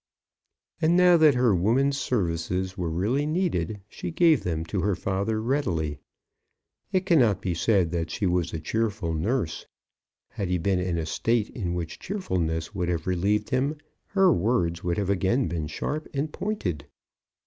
And now that her woman's services were really needed, she gave them to her father readily. It cannot be said that she was a cheerful nurse. Had he been in a state in which cheerfulness would have relieved him, her words would have again been sharp and pointed.